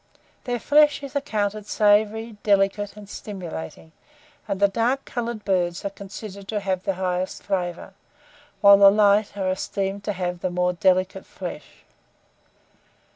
Their flesh is accounted savoury, delicate, and stimulating, and the dark coloured birds are considered to have the highest flavour, whilst the light are esteemed to have the more delicate flesh.